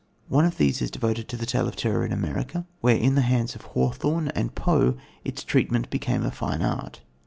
One of these is devoted to the Tale of Terror in America, where in the hands of Hawthorne and Poe its treatment became a fine art.